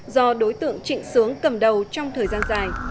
do đối tượng trịnh sướng cầm đầu trong thời gian dài